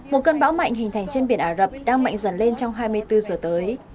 một cơn bão mạnh hình thành trên biển ả rập đang mạnh dần lên trong hai mươi bốn giờ tới